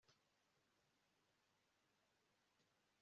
ibikorwaremezo by imihanda n amateme